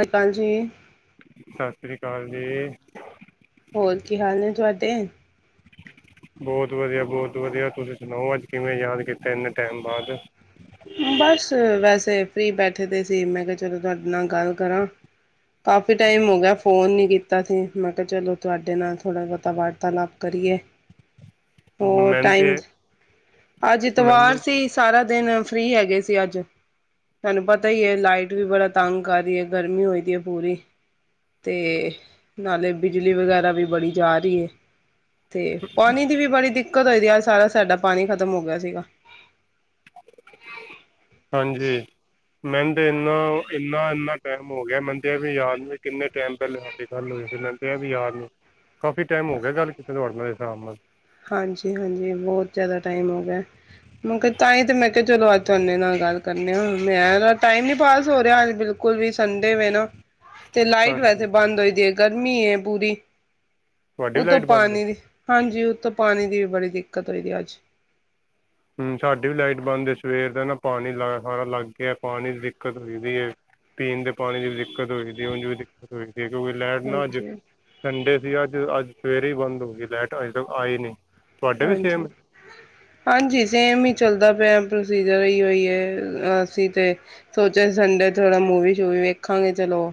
ਹਕਾਂ ਜੀ। ਹਾਂਜੀ। ਤੇ। ਬੋਤ ਵਧੀਆ, ਬੋਤ ਵਧੀਆ ਤੁਸੀਂ ਸੁਣਾਓ ਅੱਜ ਕਿਵੇਂ ਯਾਦ ਕੀਤਾ ਇੰਨੇ ਟੈਮ ਬਾਅਦ। ਤੇ ਫ੍ਰੀ ਬੈਠੇ ਦੇ ਸੀ ਮੈਂ ਕਿਆ ਚਲੋ ਤੁਹਾਡੇ ਨਾਲ ਗੱਲ ਕਰਾਂ ਕਾਫੀ ਟਾਈਮ ਹੋ ਗਿਆ ਫੋਨ ਨੀ ਕੀਤਾ ਸੀ ਮੈਂ ਕਿਆ ਚਲੋ ਤੁਹਾਡੇ ਨਾਲ ਥੋੜ੍ਹਾ ਬੋਹਤਾ ਵਾਰਤਾਲਾਪ ਕਰੀਏ ਹੋਰ ਮੈਨੂੰ ਤੇ ਟਾਈਮ ਅੱਜ ਇਤਵਾਰ ਮੈਨੂੰ ਸੀ ਸਾਰਾ ਦਿਨ ਫ੍ਰਰੀ ਹੈਗੇ ਸੀ ਅੱਜ ਤੁਹਾਨੂੰ ਪਤਾ ਈ ਏ ਲਾਈਟ ਵੀ ਬੜਾ ਤੰਗ ਕਰ ਰੀ ਏ ਗਰਮੀ ਹੋਈ ਦੀ ਏ ਪੂਰੀ, ਤੇ ਨਾਲੇ ਬਿਜਲੀ ਵਗੈਰਾ ਵੀ ਬੜੀ ਜਾ ਰੀ ਏ। ਤੇ ਪਾਣੀ ਦੀ ਵੀ ਬੜੀ ਦਿੱ ਕਦ ਆਏਦੀ ਅਜ ਸਾਰਾ ਸਾਡਾ ਪਾਣੀ ਖਤਮ ਹੋ ਗਿਆ ਸੀਗਾ ਹਾਂਜੀ ਮੇਨ ਤੇ ਇੰਨਾ ਇੰਨਾ ਇੰਨਾ ਟਾਈਮ ਹੋ ਗਿਆ, ਮੇਨ ਤੇ ਏ ਵੀ ਯਾਦ ਨੀ ਕਿੰਨੇ ਟਾਈਮ ਪਹਿਲੇ ਸਾਡੀ ਗੱਲ ਹੋਏ ਸੀ ਮੇਨ ਤੇ ਏ ਵੀ ਯਾਦ ਨੀ ਕਾਫੀ ਟਾਈਮ ਹੋ ਗਿਆ ਗੱਲ ਕੀਤੇ ਤੁਹਾਡੇ ਨਾਲ ਇਸ ਹਿਸਾਬ ਨਾਲ ਹਾਂਜੀ ਹਾਂਜੀ ਬਹੁਤ ਜਿਆਦਾ ਟਾਈਮ ਹੋ ਗਿਆ ਏ ਮੈਂ ਕਿਆ ਤਾਈਂ ਤੇ ਮੈਂ ਕਿਹਾ ਚਲੋ ਅੱਜ ਤੁਹਾਡੇ ਨਾਲ ਗੱਲ ਕਰਨੇ ਆ ਮੈਂ ਆ ਟਾਈਮ ਨੀ ਪਾਸ ਹੋ ਰਿਹਾ ਅਜ ਬਿਲਕੁਲ ਵੀ ਸੰਦੇ ਵੇ ਨਾ ਤੇ ਲਾਈਟ ਵੈਸੇ ਹਾਂਜੀ ਬੰਦ ਹੋਈ ਦੀ ਹੈ ਗਰ ਮੀ ਏ ਪੂਰੀ ਤੁਹਾਡੀ ਵੀ ਉੱਤੋ ਲਾਈਟ ਬੰਦ ਏ ਪਾਣੀ ਵੀ ਹਾਂਜੀ ਉੱਤੋਂ ਪਾਣੀ ਦੀ ਵੀ ਬੜੀ ਦਿੱਕਤ ਰਹੀ ਦੀ ਅੱਜ ਹੂੰ ਸਾਡੀ ਵੀ ਲਾਈਟ ਬੰਦ ਏ ਸਵੇਰ ਦਾ ਨਾ। ਪਾਣੀ ਲ ਹਾੜਾ ਲੱਗ ਗਿਆ ਪਾਣੀ ਦੀ ਦਿੱਕਤ ਹੋਈਦੀ ਹੈ ਪੀਣ ਦੇ ਪਾਣੀ ਦੀ ਵੀ ਦਿੱਕਤ ਹੋਈਦੀ ਏ ਉਂਝ ਵੀ ਦਿੱਕਤ ਹੋਈਦੀ। ਜੇ ਕਿਓਕਿ ਲੈਟ ਨਾ ਅੱਜ ਹਾਂਜੀ-ਹਾਂਜੀ। ਸੰਡੇ ਤੇ ਅੱਜ ਅੱਜ ਸਵੇਰੇ ਈ ਬੰਦ ਹੋ ਗਈ ਲਾਈਟ ਅਜੇ ਤੱਕ ਆਈ ਨੀ ਹਾਂਜੀ--ਹਾਂਜੀ। ਸੇਮ ਹੀ ਚੱਲਦਾ ਪਿਆ ਪ੍ਰੋਸੀਜਰ ਏਹੀ ਉਹੀ ਹੇ ਅਸੀਂ ਤੇ ਸੋਚਿਆ ਸੀ ਸੰਡੇ ਥੋੜਾ ਮੂਵੀ ਸ਼ੂਵੀ ਵੇਖਾਂਗੇ ਚਲੋ,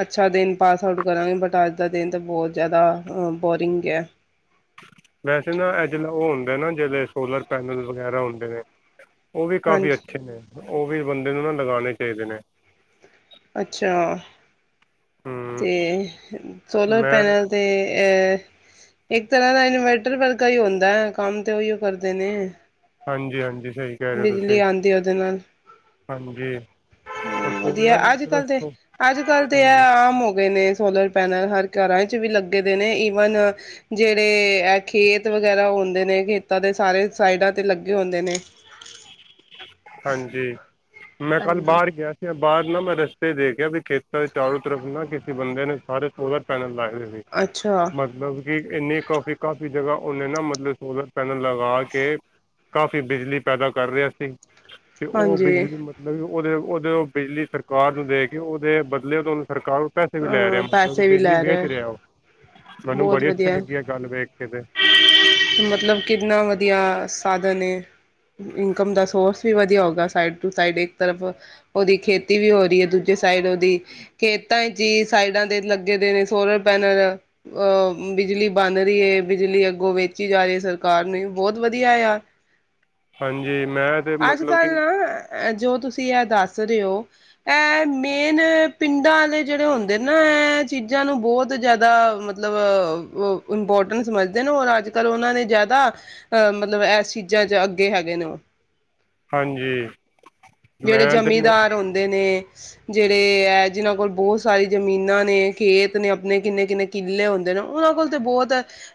ਅੱਛਾ ਦਿਨ ਪਾਸ ਆਊਟ ਕਰਾਂਗੇ ਬਟ ਅੱਜ ਦਾ ਦਿਨ ਤਾਂ ਬਹੁਤ ਜਿਆਦਾ ਬੋਰਿੰਗ ਗਿਆ ਵੈਸੇ ਨਾ ਏਹ ਜੇਲਾ ਓ ਹੋੰਦਾ ਐਨਾ ਜਿਲਹੇ ਸੋਲਰ ਪੈਨਲ ਵਗੈਰਾ ਹੁੰਦੇ ਨੇ ਓਹ ਵੀ ਕਾਫੀ ਹਾਂਜੀ। ਅੱਛੇ ਨੇ। ਉਹ ਵੀ ਬੰਦੇ ਨੂੰ ਨਾ ਲਗਾਣੇ ਚਾਹੀਦੇ ਨੇ ਅੱਛਾ। ਹਮ ਤੇ ਸੋਲਰ ਮੈਂ ਪੈਨਲ ਤੇ ਏ ਇੱਕ ਤਰ੍ਹਾਂ ਦਾ ਇਨਵਰਟਰ ਵਰਗਾ ਹੀ ਹੁੰਦਾ ਏ ਕੰਮ ਤੇ ਉਹੀਓ ਕਰਦੇ ਨੇ ਹਾਂਜੀ ਹਾਂਜੀ। ਸਹੀ ਕਹਿ ਰਹੇ ਹੋ ਬਿਜਲੀ ਤੁਸੀਂ ਆਉਂਦੀ ਉਹਦੇ ਨਾਲ ਹਾਂਜੀ ਹੂੰ ਵਧੀਆ ਅੱਜ ਸੋਲਰ ਕੱਲ ਤੇ ਅੱਜ ਕੱਲ ਤੇ ਹੈ ਹਾਂਜੀ ਆਮ ਹੋ ਗਏ ਨੇ ਸੋਲਰ ਪੈਨਲ ਹਰ ਘਰਾਂ ਚ ਵੀ ਲੱਗੇ ਦੇ ਨੇ ਈਵਨ ਜਿਹੜੇ ਇਹ ਖੇਤ ਵਗੈਰਾ ਹੋੰਦੇ ਨੇ ਖੇਤਾਂ ਦੇ ਸਾਰੇ ਸਾਈਡਾਂ ਤੇ ਲੱਗੇ ਹੋੰਦੇ ਨੇ। ਹਾਂਜੀ। ਮੈਂ ਕੱਲ ਹਾਂਜੀ ਬਾਹਰ ਗਿਆ ਸੀ। ਬਾਹਰ ਨਾ ਮੈਂ ਰਸਤੇ ਦੇਖਿਆ ਵੀ ਖੇੱਤਾ ਦੇ ਚਾਰੋ ਤਰਫ ਨਾ ਕਿਸੀ ਬੰਦੇ ਨੇ ਸਾਰੇ ਸੋਲਰ ਪੈਨਲ ਲਾਏ ਅੱਛਾ ਮਤਲਬ ਕਿ ਇੰਨੀ ਕਾਫੀ ਕਾਫ਼ੀ ਜਗ੍ਹਾ ਓਹਨੇ ਨਾ ਮਤਲਬ ਸੋਲਰ ਪੈਨਲ ਲਗਾ ਕੇ ਕਾਫ਼ੀ ਬਿਜਲੀ ਪੈਦਾ ਕਰ ਰਿਆ ਸੀ ਤੇ ਓਹ ਹਾਂਜੀ ਬਿਜਲੀ ਮਤਲਬ ਏਓ ਓਹਦੇ ਓਹਦੇ ਬਿਜਲੀ ਸਰਕਾਰ ਨੂੰ ਦੇ ਕੇ ਉਹਦੇ ਬਦਲੇ ਓ ਤੌਨੂੰ ਸਰਕਾਰੋ ਪੈਸੇ ਵੀ ਲੈ ਰਿਹਾ ਅ ਮਤਲਬ ਕਿ ਪੈਸੇ ਵੀ ਬਿਜਲੀ ਲੈ ਵੇਚ ਰਹੇ ਰਿਹਾ ਓਹ ਬਹੁਤ ਵਧੀਆ ਕੇ ਤੇ ਮਤਲਬ ਕਿੰਨਾ ਵ ਦੀਆ ਸਾਧਨ ਏ ਇਨਕਮ ਦਾ ਸੋਰਸ ਵੀ ਵਧੀਆ ਹੋਗਾ ਸਾਈਡ ਟੂ ਸਾਈਡ ਇੱਕ ਤਰਫ ਓਹਦੀ ਖੇਤੀ ਵੀ ਹੋ ਰਹੀ ਹੈ ਦੂਜੇ ਸਾਈਡ ਉਹਦੀ ਖੇਤਾਂ ਚ ਹੀ ਸਾਈਡਾਂ ਦੇ ਲੱਗੇ ਦੇ ਨੇ ਸੋਲਰ ਪੈਨਲ ਅਹ ਬਿਜਲੀ ਬਣ ਰੀ ਏ ਬਿਜਲੀ ਅੱਗੋਂ ਵੇਚੀ ਜਾ ਰਿਆ ਸਰਕਾਰ ਨੂੰ ਹਿ ਬਹੋਤ ਵਧੀਆ ਏਆ ਹਾਂਜੀ ਮੈਂ ਤੇ ਅੱਜ ਮਤਲਬ ਕੱਲ ਕਿ ਨਾ ਐ ਜੋ ਤੁਸੀਂ ਆ ਦੱਸ ਦੱਸ ਰਏ ਓਹ ਇਹ ਮੇਨ ਪਿੰਡਾਂ ਆਲੇ ਜਿਹੜੇ ਹੁੰਦੇ ਨਾ ਇਹ ਚੀਜ਼ਾਂ ਨੂੰ ਬਹੋਤ ਜਿਆਦਾ ਮਤਲਬ ਮਤਲਬ ਇੰਪੌਰਟੈੰਸ ਸਮਝਦੇ ਨੇ ਔਰ ਅੱਜ ਕੱਲ੍ਹ ਉਹਨਾਂ ਨੇ ਜਿਆਦਾ ਅ ਮਤਲਬ ਇਸ ਚੀਜਾ ਚ ਅੱਗੇ ਹੈਗੇ ਨੇ ਓਹ। ਹਾਂਜੀ। ਜਿਹੜੇ ਮੈਂ ਤੇ ਮ ਜਮੀਦਾਰ ਹੁੰਦੇ ਨੇ ਜਿਹੜੇ ਐ ਜਿੱਨਾਂ ਕੋਲ ਬਹੁਤ ਸਾਰੀ ਜਮੀਨਾਂ ਨੇ ਖੇਤ ਨੇ ਆਪਣੇ ਕਿੰਨੇ ਕਿੰਨੇ ਕੀਲੇ ਹੁੰਦੇ ਨੇ ਉਹਨਾਂ ਕੋਲ ਤੇ ਬਹੁਤ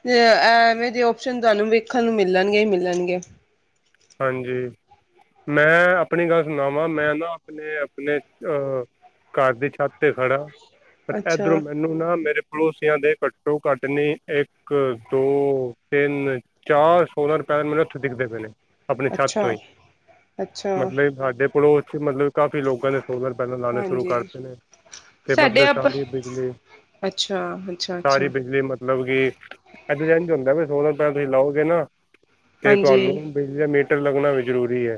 ਐਵੇਂ ਜਿ ਓਪਸ਼ਨ ਤੁਹਾਨੂੰ ਵੇਖਣ ਨੂੰ ਮਿਲਣਗਿ ਈ ਮਿਲਣਗਿ ਹਾਂਜੀ ਮੈਂ ਆਪਣੀ ਗੱਲ ਸੁਣਾਵਾਂ ਮੈਂ ਨਾ ਆਪਣੇ ਆਪਣੇ ਅਹ ਘਰ ਦੀ ਛੱਤ ਤੇ ਖੜਾ ਪਰ ਅੱਛਾ ਇਧਰੋਂ ਮੈਨੂੰ ਨਾ ਮੇਰੇ ਪੜੋਸੀਆਂ ਦੇ ਘੱਟੋ ਘੱਟ ਨਹੀਂ ਇੱਕ ਦੋ ਤਿੰਨ ਚਾਰ ਸੋਲਰ ਪੈਨਲ ਮੈਨੂੰ ਏਥੋਂ ਦਿਖਦੇ ਪਏ ਨੇ ਆਪਣੇ ਛੱਤ ਤੋਂ ਅੱਛਾ ਹੀ ਅੱਛਾ ਮਤਲਬ ਏ ਸਾਡੇ ਪੜੋਸ ਚ ਮਤਲਬ ਕਾਫੀ ਲੋਕਲ ਦ ਹੈ ਸੋਲਰ ਪੈਨਲ ਲਾਨੇ ਸ਼ੁਰੂ ਹਾਂਜੀ ਕਰਦਤੇ ਨੇ ਤੇ ਸਾਡੇ ਮਤਲਬ ਆਪ ਸਾਰੀ ਬਿਜਲੀ ਅੱਛਾ, ਅੱਛਾ, ਸਾਰੀ ਅੱਛਾ ਬਿਜਲੀ ਮਤਲਬ ਕੀ ਏਥੇ ਤੇ ਏਜਂ ਹੁੰਦਾ ਵੇ ਸੋੋਲਰ ਪੈਨਲ ਤੁਈ ਲਓਗੇ ਨਾ ਤੇ ਹਾਂਜੀ। ਤੁਵਾਨੂੰ ਵੀ? ਮੀਟਰ ਲੱਗਣਾ ਵੀ ਜ਼ਰੂਰੀ ਏ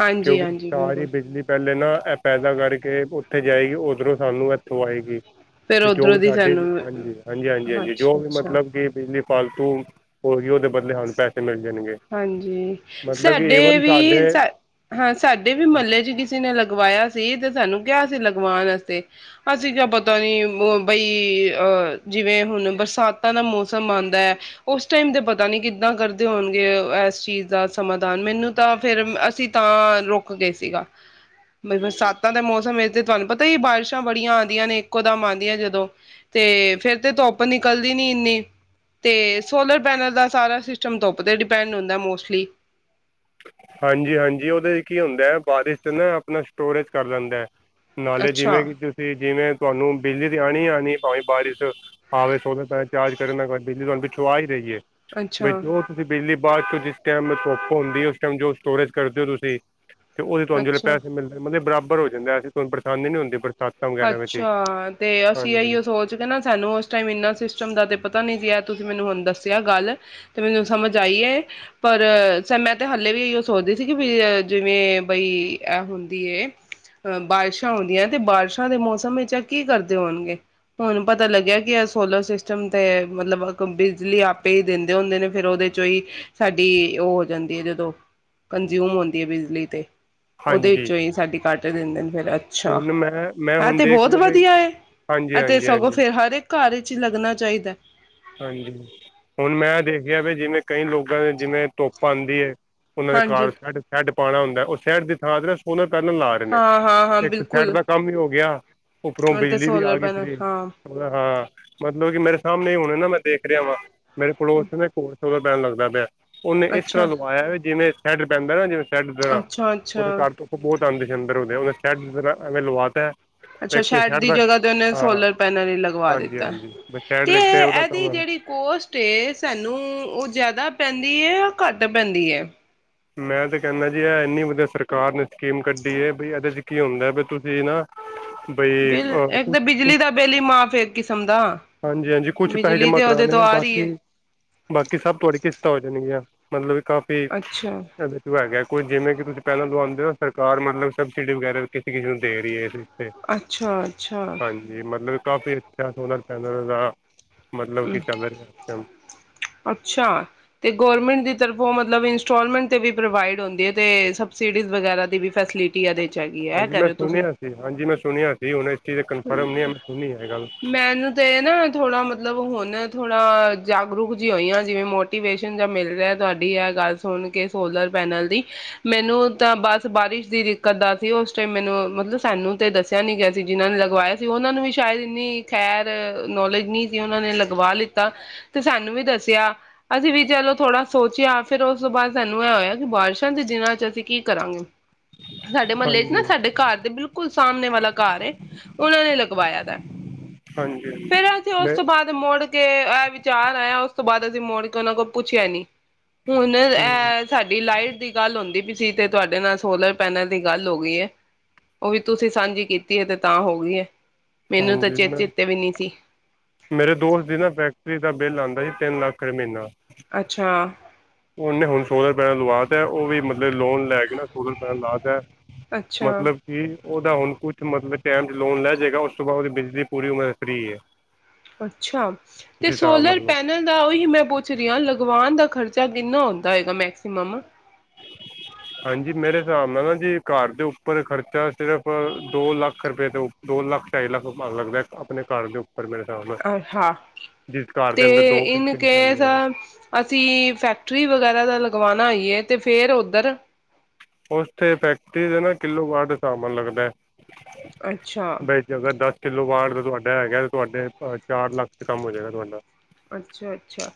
ਹਾਂਜੀ, ਕਿਉਂਕਿ ਹਾਂਜੀ ਸਾਰੀ ਬਿਲਕੁਲ ਬਿਜਲੀ ਪ ਹਲੇ ਨਾ ਐ ਪੈਦਾ ਕਰਕੇ ਉੱਥੇ ਜਾਏਗੀ ਉਓਧਰੋਂ ਸਾਨੂੰ ਇੱਥੋਂ ਆਏਗੀ। ਫੇਰ ਤੇ ਜੋ ਉੱਧਰੋਂ ਦੀ ਸਾਡੇ ਹਾਂਜੀ ਸਾਨੂੰ - ਹਾਂਜੀ, ਹਾਂਜੀ, ਹਾਂਜੀ ਜੋ ਅੱਛਾ, ਵੀ ਅੱਛਾ ਮਤਲਬ ਕਿ ਬਿਜਲੀ ਫਾਲਤੂ - ਹੋਹੀਓਦੇ ਬਦਲੇ ਹਾਨੂੰ ਪੈਸੇ ਮਿਲ ਜਾਣਗੇ ਹਾਂਜੀ। ਮਤਲਬ ਕਿ ਸਾਡੇ ਈਵਨ ਸਾਡੇ ਵੀ ਸਾ ਹਾਂ ਸਾਡੇ ਵੀ ਮਲੇ 'ਚ ਕਿਸੀ ਨੇ ਲਗਵਾਇਆ ਸੀ ਤੇ ਸਾਨੂੰ ਕਿਹਾ ਸੀ ਲਗਵਾਨ ਅਸਤੇ ਅਸੀਂ ਕਿਯਾ ਪਤਾ ਨੀ ਬਈ ਅ ਜਿਵੇਂ ਹੁਣ ਬਰਸਾਤਾਂ ਦਾ ਮੌਸਮ ਆਦਾਂ ਐ ਉਸ ਟਾਈਮ ਤੇ ਪਤਾ ਨਈ ਕਿੱਦਾਂ ਕਰਦੇ ਹੋਣ, ਏ, ਐਸ ਚੀਜ਼ ਦਾ ਸਮਾਧਾਨ ਮੈਨੂੰ ਤਾਂ ਫੇਰ ਅਸੀਂ ਤਾਂ- ਰੁਕ ਗਏ ਸੀਗਾ ਬ ਬਰਸਾਤਾਂ ਦੇ ਮੌਸਮ ਵਿੱਚ ਤੇ ਤੁਹਾਨੂੰ ਪਤਾ ਇ ਬਾਰਿਸ਼ਾਂ ਬੜੀਆਂ ਆਦੀਆਂ ਨੇ ਇੱਕੋ ਦਮ ਆਉਂਦੀਆਂ ਜਦੋਂ ਤੇ ਫੇਿਰ ਤੇ ਧੁੱਪ ਨਿਕਲਦੀ ਨੀ ਇੰਨੀ ਤੇ ਸੋਲਰ ਪੈਨਲ ਦਾ ਸਾਰਾ ਸਿਸਟਮ ਧੁੱਪ ਦੇ ਡਿਪੈਂਡ ਹੁੰਦੈ ਮੋਸਟਲੀ ਹਾਂਜੀ-ਹਾਂਜੀ ਔਦੇ ਚ ਕੀ ਹੁੰਦੈ ਬਾਰਿਸ਼ ਚ ਨਾ ਆਪਨਾ ਸਟੋਰੇਜ ਕਰ ਲੇੰਦੈ। ਨਾਲੇ ਅੱਛਾ ਜਿਵੇਂ ਕਿ ਤੁਸੀਂ ਜਿਵੇਂ ਤੁਹਾਨੂੰ ਬਿਜਲੀ ਦੀ ਆਣੀ ਆਣੀ ਏ ਭਾਵੇਂ ਬਾਰਿਸ਼ ਆਵੇ ਸੋਵੇ ਚਾਰਜ ਕਰ ਨਾ ਕਰੇ ਬਿਜਲੀ ਤੁਆਨੂੰ ਪਿੱਛੋਂ ਆ ਈ ਰਈ ਏ ਬਈ ਅੱਛਾ ਜੋ ਤੁਸੀਂ ਬਿਜਲੀ ਬਾਦ ਚੋਂ ਜਿਸ ਟਾਈਮ ਧੋੱਪ ਹੁੰਦੀ ਏ ਔਸ ਸਮਜੋ ਸਟੋਰੇਜ ਕਰਦੇ ਔ ਤੁਸੀਂ ਤੇ ਉਦੇ ਤੁਆਨ ਜੇੜੇ ਅੱਛਾ ਪੈਸੇ ਮਿਲਦੇ ਮਨੇ ਬਰਾਬ ਰ ਹੋ ਜਾਂਦਾਂ ਤੁਹਾਨ ਪਰੇਸ਼ਾਨੀ ਨੀ ਹੁੰਦੀ ਫਿਰ ਅੱਛਾ ਤੇ ਅਸੀਂ ਇਹੀਓ ਸੋਚ ਦੇ ਨਾ ਸਾਨੂੰ ਉਸ ਟਾਈਮ ਇਨਾ ਸਿਸਟਮ ਦਾ ਤੇ ਪਤਾ ਨੀ ਸੀ ਤੁਸੀਂ ਮੈਨੂੰ ਹੁਣ ਦੱਸਿਆ ਗੱਲ ਤੇ ਮੈਨੂੰ ਸਮਝ ਆਈ ਏ, ਪਰ ਚਲ ਮੈਂ ਤੇ ਹਾਲੇ ਵੀ ਇੋ ਸੋਚਦੀ ਸੀ ਕਿ ਵੀ ਜਿਵੇਂ ਬਈ ਇਹ ਹੁੰਦੀ ਹੈ ਅ ਬਾਰਿਸ਼ਾਂ ਹੁੰਦੀਆਂ ਤੇ ਬਾਰਿਸ਼ ਾਂ ਦੇ ਮੌਸਮ ਵਿੱਚ ਆ ਕੀ ਕਰਦੇ ਹੋਣਗੇ ਹੁਣ ਪਤਾ ਲੱਗਿਆ ਕਿਏ ਸੋਲਰ ਸਿਸਟਮ ਤੇ ਮਤਲਬ ਬਿਜਲੀ ਆਪੇ ਹੀ ਦਿੰਦੇ ਹੁੰਦੇ ਨੇ ਫਿਰ ਉਹਦੇ ਚੋਂ ਹੀ ਸਾਡੀ ਉਹ ਹੋ ਜਾਂਦੀ ਹੈ ਜਦੋਂ ਕੰਜ਼ਊਮ ਹੁੰਦੀ ਹੈ ਬਿਜਲੀ ਤੇ ਉਹਦੇ ਹਾਂਜੀ ਵਿੱਚੋਂ ਹੀ ਸਾਡੀ ਘੱਟ ਤੇ ਦੇੰਦੇਨ ਫਿਰ ਅੱਛਾ ਹੁਣ ਮੈਂ ਮੈਂ ਆ ਹੁਣ ਤੇ ਦੇਖ ਬਹੁਤ ਰਿਹਾ ਬਈ ਵਧੀਆ ਏ ਹਾਂਜੀ ਅਤੇ ਹਾਂਜੀ ਸਗੋਂ ਹਾਂਜੀ ਫੇਰ ਹਰ ਇੱਕ ਘਰ ਵਿੱਚ ਲੱਗਨਾ ਚਾਹੀਦਾ ਏ ਹਾਂਜੀ ਹੁਣ ਮੈਂ ਦੇਖਿਆ ਵੀ ਜਿਵੇਂ ਕਈ ਲੋਕਾਂ ਦੇ ਜਿਵੇਂ ਧੁੱਪ ਆਂਦੀ ੲਏ ਉਹਨਾਂ ਦੇ ਹਾਂਜੀ ਘਰ [unintelligible] ਪਾਣਾ ਹੋਂਦਾ ਓਹ ਸ਼ਹਿਰ ਦੀ ਥਾਂ ਤੇ ਨਾ ਓਹਨਾਂ ਕਰਨਲ ਲਾ ਰਹੇ ਨੇ ਹਾਂ ਹਾਂ ਹਾਂ ਇੱਕ ਸ਼ੈਡ ਬਿਲਕੁਲ ਦਾ ਕੰਮ ਹੀ ਹੋ ਗਿਆ ਉੱਪਰੋਂ ਹੁਣ ਤੇ ਬਿਜਲੀ ਵੀ ਸੋਲਰ ਆ ਗਈ ਪੈਨਲ ਫਰੀ ਹਾਂ ਹਾਂ ਮਤਲਬ ਕਿ ਮੇਰੇ ਸਾਮਨੇ ਹੀ ਹੁਣ [unintelligible] ਹੁਣ ਨਾ ਮੈਂ ਦੇਖ ਰਿਹਾ ਵਾਂ ਮੇਰੇ ਪੜੋਸ ਚ ਨਾ ਇਕ ਹੋਰ ਸੋਲਰ ਪੇਨਲ ਲੱਗਦਾ ਪਿਆ। ਉਹਨੇ ਇਸ ਅੱਛਾ ਤਰ੍ਹਾਂ ਲਵਾਇਆ ਜਿਵੇਂ ਹੈੱਡ ਪੈਂਦਾ ਨਾ ਜੇਵੇ ਸ਼ੇਡ ਪਿਆ, ਅੱਛਾ ਉਹਦੇ ਅੱਛਾ ਕਾਰ ਤੇ ਉੱਤੇ ਬਹੁਤ [unintelligible] ਐਵੇ ਲਵਾਤਾ ਹੈ ਅੱਛਾ ਸ਼ੈਡ ਦੀ ਜਗ੍ਹਾ ਤੇ ਉਹਨੇ ਸੋਲਰ ਪੈਨਲ ਹੀ ਲਗਵਾ ਹਾਂਜੀ ਦਿੱਤਾ ਹਾਂਜੀ ਸ਼ੈਡ ਤੇ ਦੇਖਤੇ ਉਹਦਾ ਐ ਇਹਦੀ ਕੰਮ ਜਿਹੜੀ ਕੋਸਟ ਏ ਸਾਨੂੰ ਉਹ ਜਿਆਦਾ ਪੈਂਦੀ ਦੀ ਹੈ ਜਾਂ ਘੱਟ ਪੈਂਦੀ ਹੈ? ਮੈਂ ਤਾਂ ਕਹਿੰਦਾ ਜੀ ਇਹ ਇੰਨੀ ਵਧੀਆ ਸਰਕਾਰ ਨੇ ਸਕੀਮ ਕੱਢੀ ਹੈ ਵੀ ਇਹਦੇ ਚ ਕੀ ਹੁੰਦਾ ਵੀ ਤੁਸੀਂ ਨਾ ਬਈ ਬਿੱਲ ਇੱਕ ਤਾਂ ਕੁਛ-ਕੁਛ, ਬਿਜਲੀ ਦਾ ਬਿੱਲ ਹੀ ਮਾਫ਼ ਇੱਕ ਕਿਸਮ ਦਾ ਹਾਂਜੀ-ਹਾਂਜੀ ਕੁਛ ਪੈਸੇ ਬਿਜਲੀ ਜਮਾ ਤੇ ਉਹਦੇ ਤੋਂ ਕਰਾਣੇ ਆ ਰਹੀ ਹੈ ਬਾਕੀ, ਬਾਕੀ ਸਭ ਤੁਹਾਡੀ ਕਿਸ਼ਤਾਂ ਹੋ ਜਾਣਗੀਆਂ। ਮਤਲਬ ਕਾਫੀ ਅੱਛਾ [unintelligible] ਕੋਈ ਜਿਵੇਂ ਕਿ ਤੁਸੀਂ ਪਹਿਲਾਂ ਲਵਾਉਂਦੇ ਹੋ ਸਰਕਾਰ ਮਤਲਬ ਸਬਸਿਡੀ ਵਗੈਰਾ ਕਿਸੇ ਕਿਸੇ ਨੂੰ ਦੇ ਰਹੀ ਹੈ ਇਸ ਉੱਤੇ ਅੱਛਾ-ਅੱਛਾ। ਕਾਪੀ ਇਥਿਆ ਸੋਲਰ ਪੈਨਲ ਦਾ ਮਤਲਬ ਕਿ ਚੱਲ ਰਿਹਾ ਇਸ ਟਾਈਮ ਅੱਛਾ, ਤੇ ਗੋਰਮੈਂਟ ਦੀ ਤਰਫੋਂ ਮਤਲਬ ਇਨਸ ਇੰਸਟੋਲਮੈਂਟ ਤੇ ਵੀ ਪ੍ਰੋਵਾਈਡ ਹੁੰਦੀ ਹੈ ਤੇ ਸਬਸਿਡੀਜ਼ ਵਗੈਰਾ ਦੀ ਵੀ। ਫੈਸਿਲਿਟੀ ਇਹਦੇ ਚ ਹੈਗੀ ਹੈ ਹਾਂਜੀ, ਕਹਿ ਮੈਂ ਰਹੇ ਹੋ ਤੁਸੀਂ ਸੁਣਿਆ ਸੀ, ਹਾਂਜੀ, ਮੈਂ ਸੁਣਿਆ ਸੀ ਹੁਣ ਕਨਫਰਮ ਨ ਆ ਮੈਂ ਸੁਣੀ ਹੈ ਗੱਲ। ਮੈਨੂੰ ਤੇ ਨਾ ਥੋੜਾ ਮਤਲਬ ਹੁਣ ਥੋੜਾ ਜਾਗਰੂਕ ਜਿ ਹੋਈਆਂ ਜਿਵੇਂ ਮੋਟੀਵੇਸ਼ਨ ਜਾਂ ਮਿਲ ਰਿਹਾ ਤੁਹਾਡੀ ਐ ਗੱਲ ਸੁਣ ਕੇ ਸੋਲਰ ਪੈਨਲ ਦੀ, ਮੈਨੂੰ ਤਾਂ ਬਸ ਬਾਰਿਸ਼ ਦੀ ਦਿੱਕਤ ਦਾ ਸੀ ਉਸ ਟਾਈਮ ਮੈਨੂੰ ਮਤਲਬ ਸਾਨੂੰ ਤੇ ਦੱਸਿਆ ਨੀ ਗਿਆ ਸੀ ਜਿਹਨਾਂ ਨੂੰ ਲਗ ਲਗਵਾਇਆ ਸੀ ਉਹਨਾਂ ਨੂੰ ਵੀ ਸ਼ਾਇਦ ਇੰਨੀ ਖ਼ੈਰ ਨੌਲੇਜ ਨਹੀਂ ਸੀ ਉਹਨਾਂ ਨੇ ਲਗਵਾ ਲਿੱਤਾ, ਤੇ ਸਾਨੂੰ ਵੀ ਦੱਸਿਆ ਅਸੀਂ ਵੀ ਚਲੋ ਥੋੜ੍ਹਾ ਸੋਚਿਆ ਫਿਰ ਉਸ ਤੋਂ ਬਾਅਦ ਸਾਨੂੰ ਇਹ ਹੋਇਆ ਕਿ ਬਾਰਿਸ਼ਾਂ ਦੇ ਦਿਨਾਂ ਚ ਅਸੀਂ ਕੀ ਕਰਾਂਗੇ। ਸਾਡੇ ਮਹੱਲੇ ਚ ਨਾ ਹਾਂਜੀ ਸਾਡੇ ਘਰ ਦੇ ਬਿਲਕੁਲ ਸਾਹਮਣੇ ਵਾਲਾ ਘਰ ਹੈ। ਉਹਨਾਂ ਨੇ ਲਗਵਾਇਆ ਦਾ, ਹਾਂਜੀ ਹਾਂਜੀ ਫੇਰ ਅਸੀਂ ਉਸ ਮੈਂ ਤੋਂ ਬਾਅਦ ਮੁੜ ਕੇ ਐ ਵਿਚਾਰ ਆਇਆ। ਉਸ ਤੋਂ ਬਾਅਦ ਅਸੀਂ ਮੋੜ ਕੇ ਉਹਨਾਂ ਕੋਲ ਪੁੱਛਿਆ ਨੀ। ਹੁਣ ਹਮ, ਇਹ ਸਾਡੀ ਲਾਈਟ ਦੀ ਗੱਲ ਹੁੰਦੀ ਵੀ ਤੇ ਤੁਹਾਡੇ ਨਾਲ ਸੋਲਰ ਪੈਨਲ ਦੀ ਗੱਲ ਹੋ ਗਈ ਹੈ। ਉਹ ਵੀ ਤੁਸੀਂ ਸਾਂਝੀ ਕੀਤੀ ਹੈ ਤੇ ਤਾਂ ਹੋ ਹੁਈ ਹੈ। ਮੈਨੂੰ ਤਾਂ ਹਾਂਜੀ, ਚੇ ਚੇਤੇ ਵੀ ਨਹੀਂ ਸੀ। ਮੈਂ-ਮੇਰੇ ਦੋਸਤ ਦੀ ਨਾ ਫੈਕਟਰੀ ਦਾ ਬਿੱਲ ਆਂਦਾ ਤਿੰਨ ਲੱਖ ਏ ਮਹੀਨਾ। ਅੱਛਾ। ਉਹਨੇ ਹੁਣ ਸੋਲਰ-ਪੈਨਲ ਲਵਾ ਤਾਂ, ਉਹ ਵੀ ਮ ਲੋਨ ਲੈ ਕੇ ਨਾ ਸੋਲਰ- ਪੈਨਲ ਲਾ ਤਾਂ ਏ ਅੱਛਾ, ਮਤਲਬ ਕਿ ਓਹਦਾ ਹੁਣ ਕੁਛ ਮਤਲਬ ਟਾਈਮ ਚ ਲੋਨ ਲੈ ਜਾਏਗਾ, ਉਸ ਤੋਂ ਬਾਅਦ ਓਹਦੀ ਬਿਜਲੀ ਪੂਰੀ ਉਮਰ ਫ੍ਰੀ ਹੈ। ਅੱਛਾ, ਤੇ ਤੁਸੀਂ ਹਿਸਾਬ ਲਾ ਸੋਲਰ ਲਓ ਪੈਨਲ ਦਾ ਓਹੀ ਮੈਂ ਪੁੱਛ ਰੀ ਆਂ ਲਗਵਾਨ ਦਾ ਖਰਚਾ ਖਰਚਾ ਕਿੰਨਾ ਹੋੰਦਾ ਹੋਏਗਾ ਮੈਕਸੀਮਮ। ਹਾਂਜੀ, ਮੇਰੇ ਹਿਸਾਬ ਨਾਲ ਨਾ ਜੀ, ਘਰ ਦੇ ਉੱਪਰ ਖਰਚਾ ਸਿਰਫ਼ ਦੋ ਲੱਖ ਰੁਪਏ ਤੋਂ ਦੋ ਲੱਖ ਢਾਈ ਲੱਖ ਲੱਗਦਾ ਅਪਣੇ ਘਰ ਦੇ ਮੇਰੇ ਹਿਸਾਬ ਨਾਲ ਹਾਂ ਜਿਸ ਘਰ ਦੇ ਤੇ ਅੰਦਰ ਦੋ ਇਨ ਤਿੰਨ ਕੇਸ ਫੈਮਲੀਆਂ ਨੇ ਅਸੀਂ ਫੈਕਟਰੀ ਵਗੈਰਾ ਦਾ ਲਗ ਗਵਾਣਾ ਹੋਈਏ ਤੇ ਫੇਰ ਓਧੱਰ ਓਸਤੇ ਫੈਕਟਰੀ ਤੇ ਨਾ ਕਿੱਲੋਵਾਟ ਹਿਸਾਬ ਨਾਲ ਲੱਗਦਾ ਏ। ਅੱਛਾ। ਕਿਲੋਵਾਟ ਦਾ ਤੁਹਾਡਾ ਹੈਗਾ। ਤੁਹਾਡੇ ਚਾਰ ਲੱਖ ਚ ਕੰਮ ਹੋ ਜਾਏਗਾ ਤੁਹਾਡਾ। ਅੱਛਾ, ਅੱਛਾ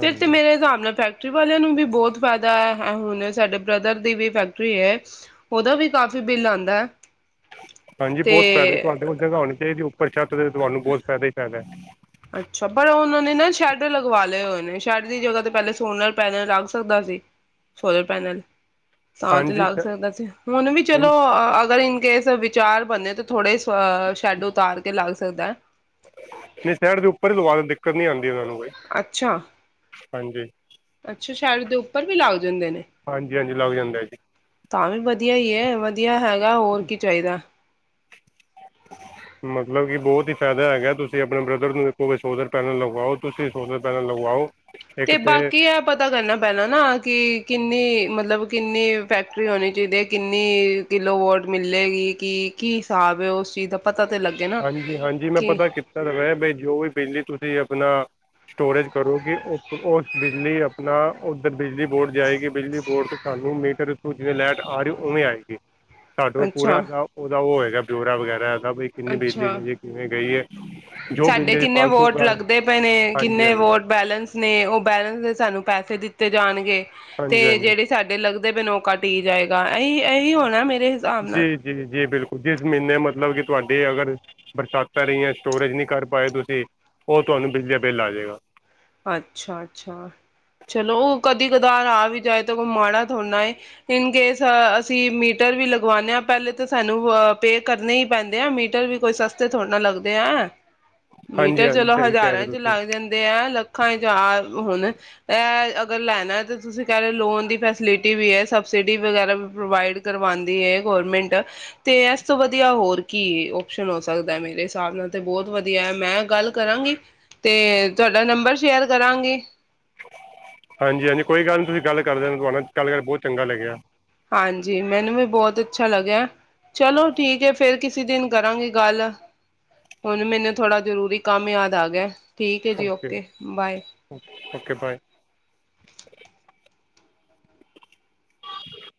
ਫਿਰ ਤੇ ਹਾਂਜੀ ਮੇਰੇ ਹਿਸਾਬ ਨਾਲ ਫੈ ਫੈਕਟਰੀ ਵਾਲਿਆਂ ਨੂੰ ਵੀ ਬੋਹਤ ਫਾਇਦਾ ਏ। ਹੁਣ ਏ ਸਾਡੇ ਬ੍ਰਦਰ ਦੀ ਵੀ ਫੈਕਟਰੀ ਏ, ਓਹਦਾ ਵੀ ਕਾਫੀ ਬਿੱਲ ਆਂਦਾ ਏ। ਹਾਂਜੀ, ਬਹੁਤ ਫਾਇਦੇ, ਤੁਹਾਡੇ ਕੋਲ ਜਗ੍ਹਾ ਹੋਣੀ ਚਾਹੀਦੀ ਹੈ। ੳਪੱਰ ਛੱਤ ਤੇ ਤੁਹਾਨੂੰ ਬਹੁਤ ਫਾਇਦਾ ਹੀ ਫਾਇਦਾ ਏ। ਅੱਛਾ, ਪਰ ਓਹਨਾਂ ਨੇ ਨਾ ਸ਼ੈੱਡ ਲਗਵਾ ਲਏ ਹੋਏ ਨੇ। ਸ਼ੈੱਡ ਦੀ ਜਗ੍ਹਾ ਤੇ ਪਹਿਲੇ ਸੋਨਲ ਪੈਨਲ ਲੱਗ ਸਕਦਾ ਸੀ। Solar panel. ਤਾਂ ਤੇ ਹਾਂਜੀ ਲੱਗ ਸਕਦਾ ਸੀ, ਹੁਣ ਵੀ ਚਲੋ, ਅਗਰ ਇਹ ਸਭ ਵਿਚਾਰ ਬਣੇ ਤੇ ਥੋੜੇ ਚ ਅ ਸ਼ੈੱਡ ਉਤਾਰ ਕੇ ਲੱਗ ਸਕਦੈ ਨਈਂ, ਸੈਡ ਦੇ ਉੱਪਰ ਈ ਲਵਾ ਲੋ ਦਿੱਕਤ ਨੀ ਆ ਅੱਛਾ। ਹਾਂਜੀ। ਅੱਛਾ, ਛੈਡ ਦੇ ਉੱਪਰ ਵੀ ਲੱਗ ਜਾਂਦੇ ਨੇ। ਹਾਂਜੀ ਹਾਂਜੀ ਲੱਗ ਜਾਂਦਾ ਜੀ ਤਾਂ ਵੀ ਵਧੀਆ ਈ ਐ। ਵਧੀਆ ਹੈਗਾ, ਹੋਰ ਕੀ ਚਾਈਦਾ। ਮਤਲਬ ਕਿ ਬੋਤ ਈ ਫੈਦਾ ਹੈਗਾ, ਤੁਸੀਂ ਆਪਣੇ ਬ੍ਰਦਰ ਨੂੰ ਵੀ ਕਹੋ ਸੋਲਰ ਪੈਨਲ ਲਗਵਾਓ, ਤੁਸੀਂ ਸੋਲਰ ਪੈਨਲ ਲਗਵਾਓ। ਤੇ ਬਾਕੀ ਐ ਪਤਾ ਕਰਨਾ ਪੈਣਾ ਨਾ ਕਿ ਕਿ ਕਿੰਨੀ ਮਤਲਬ, ਕਿੰਨੀ ਫੈਕਟਰੀ ਹੋਣੀ ਚਈਦੀ ਏ, ਕਿੰਨੀ ਕਿਲੋਵੋਟ ਮਿਲੇਗੀ ਕਿ ਕੀ ਸਾਬ ਐ? ਉਸ ਚੀਜ਼ ਦਾ ਪਤਾ ਤਾਂ ਲੱਗੇ ਨਾ ਹਾਂਜੀ, ਹਾਂਜੀ, ਮੈਂ ਕਿ ਪਤਾ ਕੀਤਾ ਦਾ ਵੇ ਬਈ, ਜੋ ਵੀ ਬਿਜਲੀ ਤੁਸੀਂ ਆਪਣਾ ਸਟੋਰੇਜ ਕਰੋਗੇ, ਓ ਬਿਜਲੀ ਆਪਣਾ ਓੱਧਰ ਬਿਜਲੀ ਬੋਡ ਜਾਏਗੀ। ਬਿਜਲੀ ਬੋਡ ਤੋਂ ਸਾਨੂੰ ਮੀਟਰ ਤੋਂ ਜਿਵੇਂ ਲੈਟ ਆ ਰਈ ਓਵੇਂ ਆਏਗੀ। ਸਾਡੂ ਪੂਰਾ ਅੱਛਾ [unintelligible] ਓਦਾ ਓ ਹੋਏਗਾ। ਜੋੜਾ ਵਗੈਰਾ ਐ ਸਬ। ਅੱਛਾ, ਜੋ ਸਾਡੇ ਬਿਜਲੀ ਦੀ ਕਿੰਨੇ ਫਾਲਤੂ ਵੋਟ ਗੱਲ। ਲੱਗਦੇ ਪਏ ਨੇ, ਹਾਂਜੀ ਕਿੰਨੇ ਹਾਂਜੀ ਵੋਟ ਬੈਲਂਸ ਨੇ ਓ ਬੈਲੈਂਸ ਦੇ ਸਾਨੂੰ ਪੈਸੇ ਦਿੱਤੇ ਜਾਣਗੇ। ਹਾਂਜੀ ਤੇ ਹਾਂਜੀ ਜੇੜੇ ਸਾਡੇ ਲੱਗ ਦੇ ਵੇ ਨੌਕਾ ਟੀ ਜਾਏਗਾ। ਇਹੀ ਇਹੀ ਹੋਣਾ ਮੇਰੇ ਹਿਸਾਬ ਨਾਲ ਜੀ, ਜੀ, ਜੀ ਬਿਲਕੁਲ, ਜਿਸ ਮਈਨੇ ਮਤਲਬ ਕਿ ਤੁਆਡੇ ਅਗਰ ਬਰਸਾਤਾਂ ਰਹੀਆਂ, ਸਟੋਰੇਜ ਨਹੀਂ ਕਰ ਪਾਏ ਤੁਸੀਂ, ਓ ਤੁਆਨੂੰ ਬਿਜਲੀ ਦਾ ਬਿੱਲ ਆ ਜਾਏਗਾ। ਅੱਛਾ, ਅੱਛਾ, ਚਲੋ ਓ ਕ ਦੀ ਕਧਾਰ ਆ ਵੀ ਜਾਏ ਤਾਂ ਕੋ ਮਾੜਾ ਥੋੜਾਂ ਏ, ਇਨਕੇਸ ਅਸੀਂ ਮੀਟਰ ਵੀ ਲਗਵਾਨੇ ਆ ਪੈਲੇ ਤੇ ਸਾਨੂੰ ਪੇ ਕਰਨੇ ਈ ਪੈਂਦੇ ਆ ਮੀਟਰ ਵੀ ਕੋਈ ਸਸਤੇ ਥੋੜੇ ਨਾਲ ਲੱਗਦੇ ਐ। ਹਾਂਜੀ ਮੀਟਰ ਹਾਂਜੀ ਚਲੋ ਸਹੀ ਕਹਿ ਰਹੇ ਹਜਾਰਾ ਚ ਹੋ ਤੁਸੀਂ ਲੱਗ ਜਾਂਦੇ ਆ ਲ ਹਜਾਰ ਹੁਨ ਏਹ ਅਗਰ ਲੈਨਾ ਤੇ ਤੁਸੀ ਕੈਰੇ ਲੋਨ ਦੀ ਫੈਸਲਿਟੀ ਵੀ ਏ, ਸਬਸਿਡੀ ਵਗੈਰਾ ਵੀ ਪ੍ਰੋਵਾਈਡ ਕਰਵਾਂਦੀ ਏ ਗੋਰਮੈਂਟ ਤੇ ਏਸ ਤੋ ਵਦੀਆ ਹੋਰ ਕੀ ਏ, ਓਪਸ਼ਨ ਹੋ ਸਕਦਾ ਮੇਰੇ ਹਿਸਾਬ ਨਾਲ ਤੇ ਬਹੁਤ ਵਦੀਆ ਐ ਮੈਂ ਗੱਲ ਕਰਾਂਗੀ ਤੇ ਤੁਆਡਾ ਨੰਬਰ ਸ਼ੇਅਰ ਕਰਾਂਗੀ। ਹਾਂਜੀ, ਹਾਂਜੀ, ਕੋਈ ਗੱਲ ਨੀ ਤੁਸੀ ਗੱਲ ਕਰਲੈ ਤੁਆਨ ਗੱਲ ਕਰ ਬਹੁਤ ਚੰਗਾ ਲੱਗੇਆ। ਹਾਂਜੀ, ਮੈਨੂੰ ਵੀ ਬਹੁਤ ਅੱਛਾ ਲੱਗਿਆ ਚਲੋ ਠੀਕ ਏ ਫੇਰ ਕਿਸੇ ਦਿਨ ਕਰਾਂਗੇ ਗੱਲ, ਹੁਨ ਮੈਨੂੰ ਥੋੜਾ ਜਰੂਰੀ ਕੰਮ ਯਾਦ ਆ ਗੇਆ। ਠੀਕ ਏ ਜੀ, ਓਕੇ ਬਾਏ। Okay bye. [unintelligible]